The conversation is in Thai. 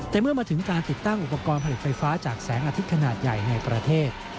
แต่เมื่อมาถึงการติดตั้งอุปกรณ์ผลิตไฟฟ้าจากแสงอาทิตย์ขนาดใหญ่ในประเทศ